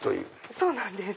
そうなんです。